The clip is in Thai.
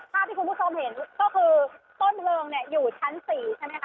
ภาพที่คุณผู้ชมเห็นก็คือต้นเพลิงเนี่ยอยู่ชั้น๔ใช่ไหมคะ